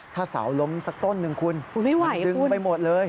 ถ้าเสาล้มสักต้นหนึ่งคุณดึงไปหมดเลย